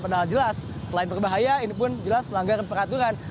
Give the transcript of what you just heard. padahal jelas selain berbahaya ini pun jelas melanggar peraturan